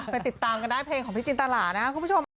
ติดตามกันได้เพลงของพี่จินตรานะครับคุณผู้ชม